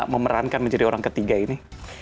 memerankan menjadi orang ketiga ini